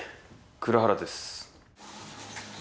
蔵原です。